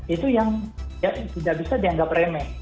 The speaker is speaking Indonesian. itu yang tidak bisa dianggap remeh